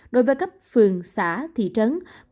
đối với cấp phường xã thị trấn